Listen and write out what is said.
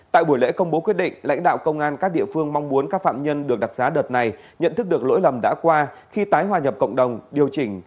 tại buổi lễ công bố quyết định lãnh đạo công an các địa phương mong muốn các phạm nhân được đặc giá đợt này nhận thức được lỗi lầm đã qua khi tái hòa nhập cộng đồng điều chỉnh